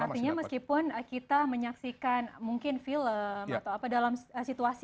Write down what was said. artinya meskipun kita menyaksikan mungkin film atau apa dalam situasi